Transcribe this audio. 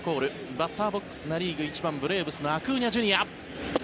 バッターボックスナ・リーグ１番ブレーブスのアクーニャＪｒ．。